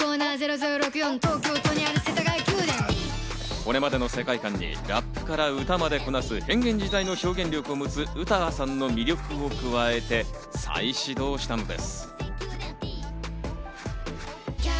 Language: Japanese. これまでの世界観にラップから歌までこなす変幻自在の表現力を持つ詩羽さんの魅力を加えて再始動したんです。